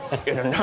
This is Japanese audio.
何？